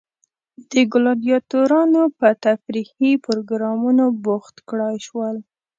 د ګلادیاتورانو په تفریحي پروګرامونو بوخت کړای شول.